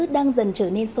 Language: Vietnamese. đang dần trở nên sôi đỏ